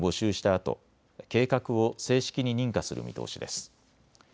あと計画を正式に認可する見通しです。